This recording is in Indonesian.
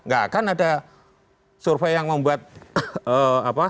gak akan ada survei yang membuat apa